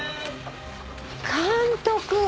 監督